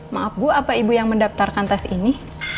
maaf bu apa ibu yang mendaftarkan tes ini